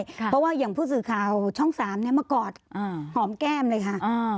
เพราะว่าอย่างผู้สื่อข่าวช่อง๓มากอดหอมแก้มเลยค่ะ